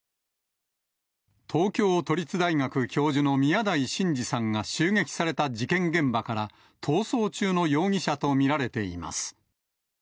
東京都立大学教授の宮台真司さんが襲撃された事件現場から、逃走中の容疑者と見られています。